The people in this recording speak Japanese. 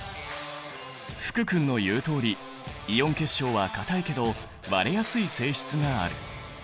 福くんの言うとおりイオン結晶は硬いけど割れやすい性質がある。